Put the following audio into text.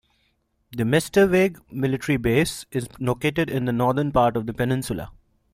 The Mestersvig military base is located in the northern part of the peninsula.